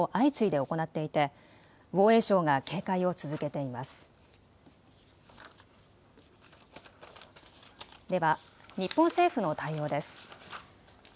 では日本政府の対応です。